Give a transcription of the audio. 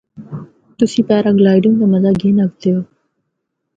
تُسیں پیرا گلائیڈنگ دا مزہ گن ہکدے او۔